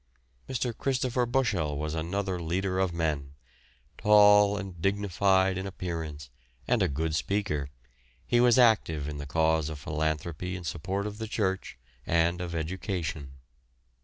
Mr. Christopher Bushell was another leader of men; tall and dignified in appearance and a good speaker, he was active in the cause of philanthropy in support of the church and of education.